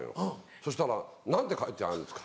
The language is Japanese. そしたら「何て書いてあるんですか？」